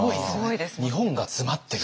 日本が詰まってる。